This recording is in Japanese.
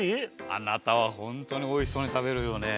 あなたはホントにおいしそうに食べるよね。